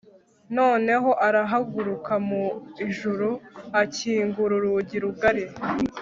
noneho arahaguruka mu ijuru, akingura urugi rugari